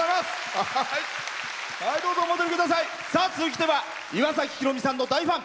続いては岩崎宏美さんの大ファン。